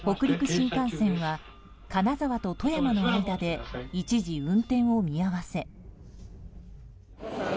新幹線は金沢と富山の間で一時運転を見合わせ。